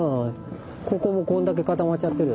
ここもこんだけ固まっちゃってる。